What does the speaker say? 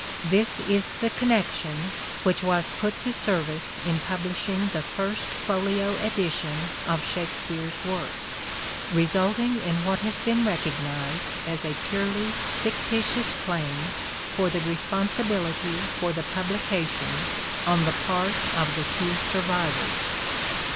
This is the connection which was put to service in publishing the First Folio edition of " Shakespeare's " works, resulting in what has been recognized as a purely fictitious claim for the responsibility for the publication on the part of the two survivors.